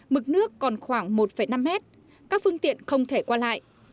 mực nước còn khoảng một năm mét các phương tiện không thể qua lại